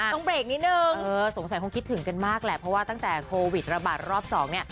ต้องเบรกนิดนึงสงสัยคงคิดถึงกันมากแหละเพราะว่าตั้งแต่โควิดระบาดรอบสองเนี่ย